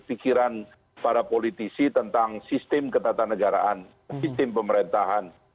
pikiran para politisi tentang sistem ketatanegaraan sistem pemerintahan